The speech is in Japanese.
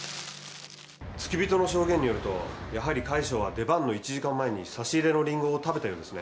付き人の証言によるとやはり快笑は出番の１時間前に差し入れのリンゴを食べたようですね。